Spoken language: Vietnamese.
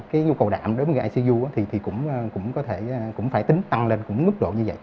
cái nhu cầu đạm đối với icu thì cũng phải tính tăng lên mức độ như vậy